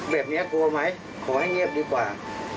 แบบนี้กลัวไหมขอให้เงียบดีกว่า